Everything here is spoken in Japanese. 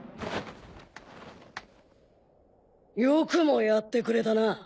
よくもやってくれたな。